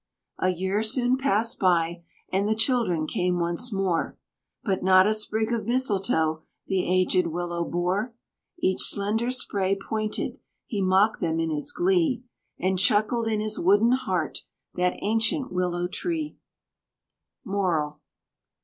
A year soon passed by, and the children came once more, But not a sprig of Mistletoe the aged Willow bore. Each slender spray pointed; he mocked them in his glee, And chuckled in his wooden heart, that ancient Willow tree. MORAL.